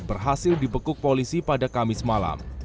berhasil dibekuk polisi pada kamis malam